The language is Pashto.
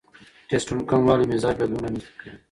ټیسټسټرون کموالی مزاج بدلون رامنځته کوي.